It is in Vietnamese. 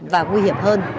và nguy hiểm hơn